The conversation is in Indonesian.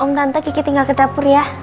om tante gigi tinggal ke dapur ya